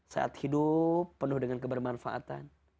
saat hidup penuh dengan kebermanfaatan